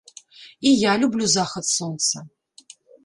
І я люблю захад сонца.